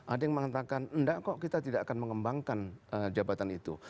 ada yang mengatakan enggak kok kita tidak akan mengembangkan jabatan itu